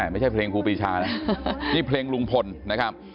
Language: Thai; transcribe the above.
ไม่ใช่เพลงครูปีชานะนี่เพลงลุงพลนะครับ